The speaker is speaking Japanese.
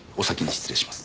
失礼します。